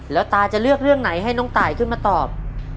แล้วตาจะเลือกเรื่องไหนให้น้องตายขึ้นมาตอบ